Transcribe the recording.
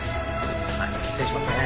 失礼しますね。